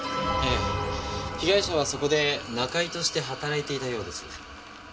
ええ被害者はそこで仲居として働いていたようです。